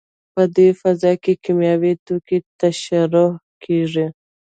په دې فضا کې کیمیاوي توکي ترشح کېږي.